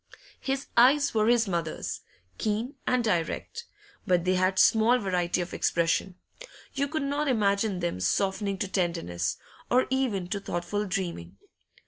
His eyes were his mother's keen and direct; but they had small variety of expression; you could not imagine them softening to tenderness, or even to thoughtful dreaming.